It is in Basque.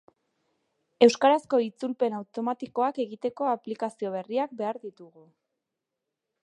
Euskarazko itzulpen automatikoak egiteko aplikazio berriak behar ditugu.